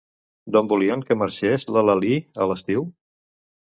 D'on volien que marxés, la Lalí, a l'estiu?